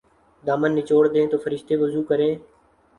دامن نچوڑ دیں تو فرشتے وضو کریں''